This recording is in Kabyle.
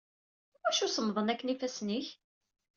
Iwacu smaḍen akken yifassen-ik?